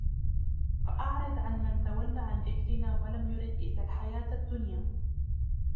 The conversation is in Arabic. فَأَعْرِضْ عَنْ مَنْ تَوَلَّى عَنْ ذِكْرِنَا وَلَمْ يُرِدْ إِلَّا الْحَيَاةَ الدُّنْيَا